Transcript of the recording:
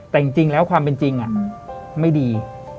แต่จริงแล้วความเป็นจริงไม่ดี